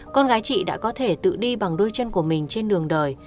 con gái chị đã có thể tự đi bằng đôi chân của mình trên đường đời